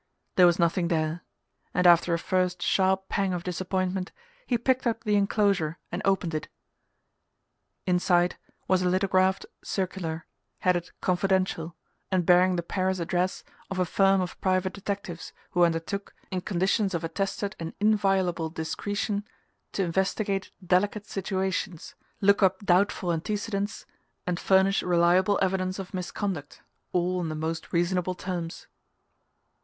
There was nothing there, and after a first sharp pang of disappointment he picked up the enclosure and opened it. Inside was a lithographed circular, headed "Confidential" and bearing the Paris address of a firm of private detectives who undertook, in conditions of attested and inviolable discretion, to investigate "delicate" situations, look up doubtful antecedents, and furnish reliable evidence of misconduct all on the most reasonable terms.